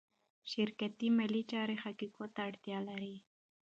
شرکتي مالي چارې حقایقو ته اړتیا لري.